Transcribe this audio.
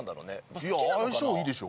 いや相性いいでしょ。